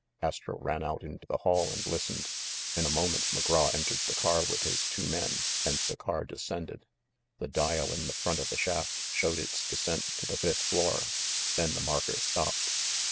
Astro ran out into the hall and listened. In a moment McGraw entered the car with his two men and the car descended. The dial in the front of the shaft showed its descent to the fifth floor ; then the marker stopped.